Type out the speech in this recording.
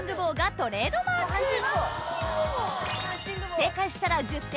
正解したら１０点！